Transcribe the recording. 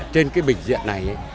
trên cái bình diện này